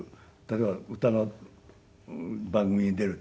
例えば歌の番組に出る。